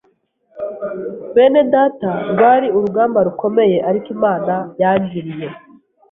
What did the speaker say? Bene data rwari urugamba rukomeye ariko Imana yangiriye